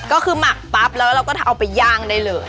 ก็คือหมักปั๊บแล้วเราก็จะเอาไปย่างได้เลย